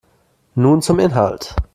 Nun zum Inhalt.